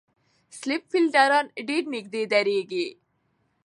سلیپ فېلډران ډېر نږدې درېږي.